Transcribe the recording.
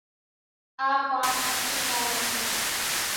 آ پانَ پتِي وارون سي۔